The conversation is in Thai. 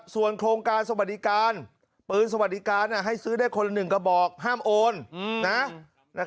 ส่วนโครงการสวัสดิการปืนสวัสดิการให้ซื้อได้คนละ๑กระบอกห้ามโอน